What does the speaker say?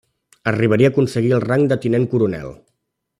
Arribaria aconseguir el rang de tinent coronel.